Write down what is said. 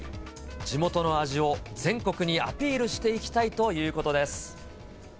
地元の味を全国にアピールしていきたいということです。